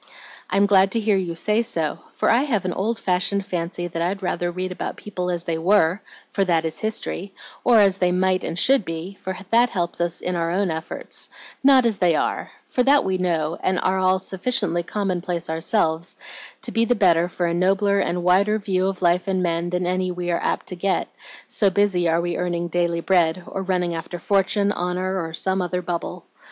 "I'm glad to hear you say so, for I have an old fashioned fancy that I'd rather read about people as they were, for that is history, or as they might and should be, for that helps us in our own efforts; not as they are, for that we know, and are all sufficiently commonplace ourselves, to be the better for a nobler and wider view of life and men than any we are apt to get, so busy are we earning daily bread, or running after fortune, honor or some other bubble.